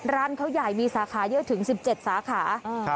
ร้านเขาใหญ่มีสาขาเยอะถึง๑๗สาขา